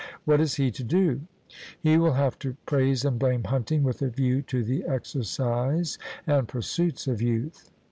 What is he to do? He will have to praise and blame hunting with a view to the exercise and pursuits of youth.